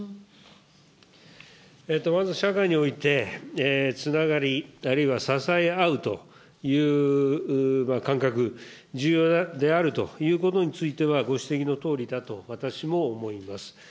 まず社会において、つながり、あるいは支え合うという感覚、重要であるということについては、ご指摘のとおりだと、私も思います。